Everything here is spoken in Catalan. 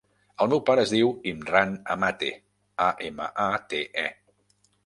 El meu pare es diu Imran Amate: a, ema, a, te, e.